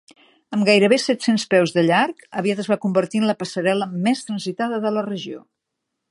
Amb gairebé set-cents peus de llarg, aviat es va convertir en la passarel·la més transitada de la regió.